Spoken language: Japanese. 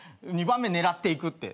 ２番目狙っていくって。